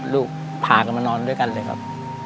ลูกพากันมานอนด้วยกันเลยครับ